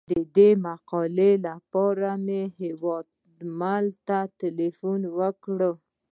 د دې مقالې لپاره مې هیوادمل ته تیلفون وکړ.